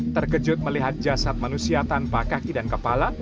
terkejut melihat jasad manusia tanpa kaki dan kepala